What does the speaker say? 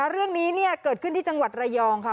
เรื่องนี้เกิดขึ้นที่จังหวัดระยองค่ะ